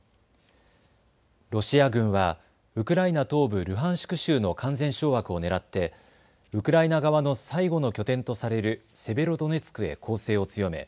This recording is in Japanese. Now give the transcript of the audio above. ロシア軍はウクライナ東部ルハンシク州の完全掌握をねらってウクライナ側の最後の拠点とされるセベロドネツクへ攻勢を強め